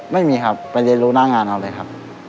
ไม่มีครับไปเรียนรู้หน้างานเอาเลยครับ